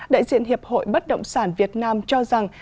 đại diện hiệp hội bất động sản việt nam cho rằng